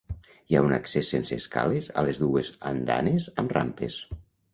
Hi ha un accés sense escales a les dues andanes amb rampes.